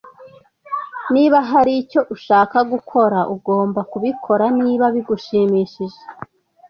Niba hari icyo ushaka gukora, ugomba kubikora niba bigushimishije.